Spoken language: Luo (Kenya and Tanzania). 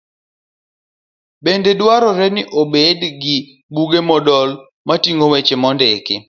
Bende dwarore ni obed gi buge modol moting'o weche mondiki.